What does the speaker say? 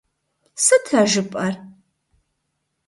Сыт а жыпӀэр?!